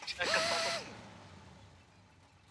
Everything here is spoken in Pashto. تاریخ پوهان وايي چي مغولو اسلام قبول کړ.